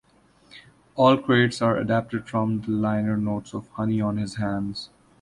All credits are adapted from the liner notes of "Honey on His Hands".